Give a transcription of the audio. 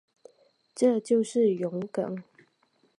这就是容庚。